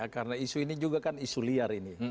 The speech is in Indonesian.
karena isu ini juga kan isu liar ini